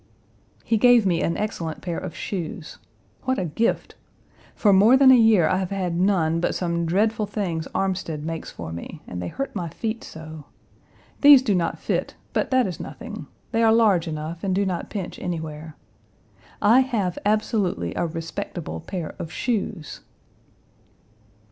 He gave me an excellent pair of shoes. What a gift! For more than a year I have had none but some dreadful things Armstead makes for me, and they hurt my feet so. These do not fit, but that is nothing; they are large enough and do not pinch anywhere. I have absolutely a respectable pair of shoes!!